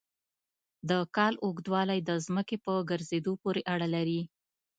د کال اوږدوالی د ځمکې په ګرځېدو پورې اړه لري.